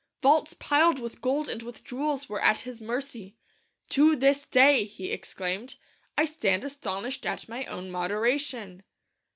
Vaults piled with gold and with jewels were at his mercy. 'To this day,' he exclaimed, 'I stand astonished at my own moderation!'